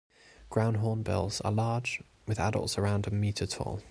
Ground hornbills are large, with adults around a metre tall.